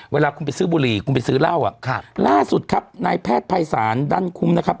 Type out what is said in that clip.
เวลาคุณไปซื้อบุหรี่คุณไปซื้อเหล้าอ่ะครับล่าสุดครับนายแพทย์ภัยศาลดันคุ้มนะครับ